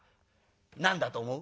「何だと思う？」。